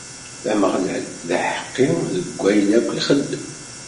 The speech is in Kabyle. Ameɣlal, d aḥeqqi deg wayen akk ixeddem.